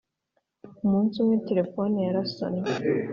Umunsi umwe telefoni yarasonnye